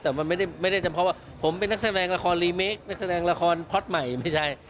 แต่มันไม่ได้เฉพาะว่าผมเป็นนักแสดงละครรีเมคนักแสดงละครพล็อตใหม่ไม่ใช่